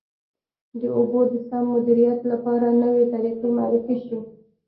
د اوبو د سم مدیریت لپاره نوې طریقې معرفي شي.